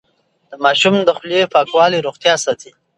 د ماشوم د خولې پاکوالی روغتيا ساتي.